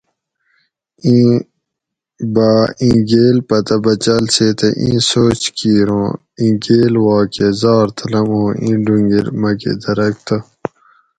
ایں باۤ ایں گیل پتہ بچال سیتہ ایں سوچ کیر ھوں ایں گیل وا کہۤ زار تلم اوں ایں ڈونگیر مکہ درگ تہ